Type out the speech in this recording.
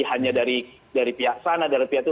hanya dari pihak sana dari pihak itu